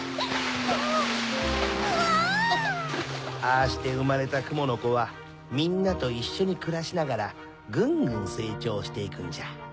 ああしてうまれたくものコはみんなといっしょにくらしながらぐんぐんせいちょうしていくんじゃ。